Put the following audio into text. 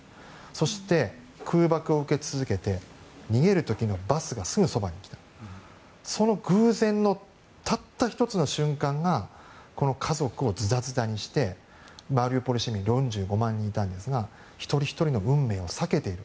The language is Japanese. そして空爆を受け続けて逃げる時のバスがすぐそばに来たその偶然のたった１つの瞬間がこの家族をずたずたにしてマリウポリ市民４５万人いたんですが一人ひとりの運命をさけている。